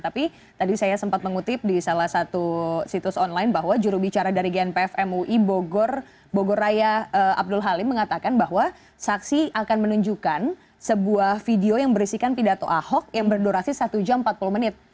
tapi tadi saya sempat mengutip di salah satu situs online bahwa jurubicara dari gnpf mui bogoraya abdul halim mengatakan bahwa saksi akan menunjukkan sebuah video yang berisikan pidato ahok yang berdurasi satu jam empat puluh menit